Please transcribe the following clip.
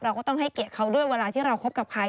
ก็ต้องให้เกียรติเขาด้วยเวลาที่เราคบกับใคร